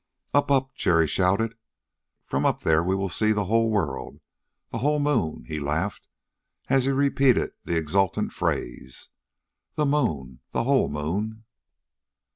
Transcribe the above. "Up up!" Jerry shouted. "From up there we will see the whole world the whole moon!" He laughed as he repeated the exultant phrase: "The moon the whole moon!"